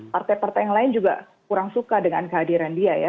partai partai yang lain juga kurang suka dengan kehadiran dia ya